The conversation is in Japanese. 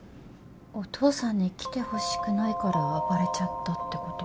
お父さんに来てほしくないから暴れちゃったってこと？